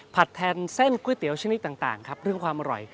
แทนเส้นก๋วยเตี๋ยวชนิดต่างครับเรื่องความอร่อย